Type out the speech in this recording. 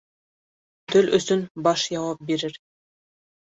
Тел өсөн баш яуап бирер.